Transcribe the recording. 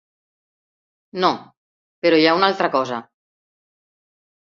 No, però hi ha una altra cosa.